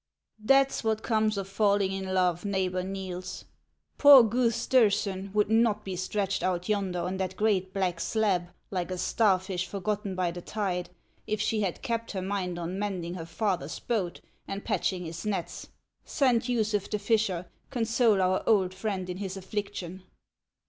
T HAT'S what comes of falling in love, Neighbor Niels. Poor Guth Stersen would not be stretched out yonder on that great black slab, like a starfish for gotten by the tide, if she had kept her mind on mending her father's boat and patching his nets. Saint Usuph, the fisher, console our old friend in his affliction!"